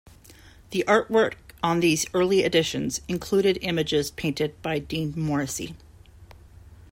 The artwork on these early editions included images painted by Dean Morrissey.